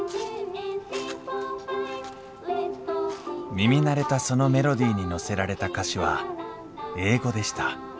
耳慣れたそのメロディーに乗せられた歌詞は英語でした。